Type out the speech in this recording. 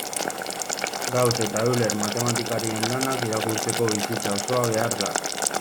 Gauss eta Euler matematikarien lanak irakurtzeko bizitza osoa behar da.